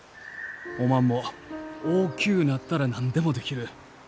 おまんも大きゅうなったら何でもできる。